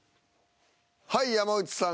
はい山内さん